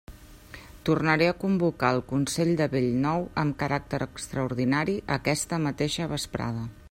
Tornaré a convocar el consell de bell nou amb caràcter extraordinari aquesta mateixa vesprada.